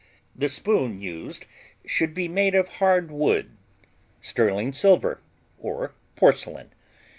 The spoon used should be of hard wood, sterling silver or porcelain.